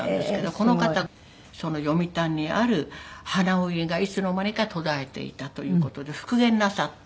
この方その読谷にある花織がいつの間にか途絶えていたという事で復元なさって。